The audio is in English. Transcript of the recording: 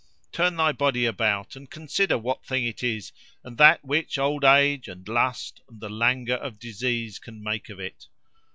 Turn thy body about, and consider what thing it is, and that which old age, and lust, and the languor of disease can make of it.